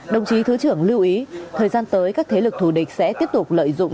đồng chí thứ trưởng lưu ý thời gian tới các thế lực thù địch sẽ tiếp tục lợi dụng